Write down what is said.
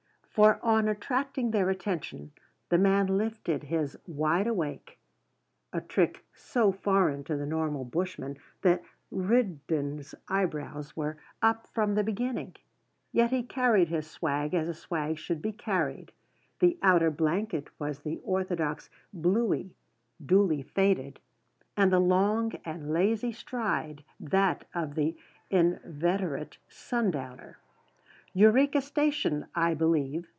For on attracting their attention the man lifted his wideawake, a trick so foreign to the normal bushman that Rigden's eyebrows were up from the beginning; yet he carried his swag as a swag should be carried; the outer blanket was the orthodox "bluey," duly faded; and the long and lazy stride that of the inveterate "sundowner." "Eureka Station, I believe?"